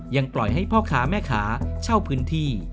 ยังปล่อยให้พ่อค้าแม่ค้าเช่าพื้นที่